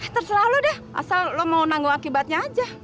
terserah lu deh asal lu mau nanggu akibatnya aja